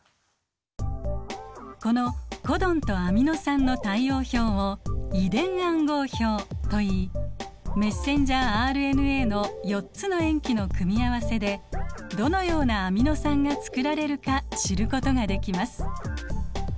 このコドンとアミノ酸の対応表を遺伝暗号表といいメッセンジャーＲＮＡの４つの塩基の組み合わせでどのようなアミノ酸が作られるか知ることができます。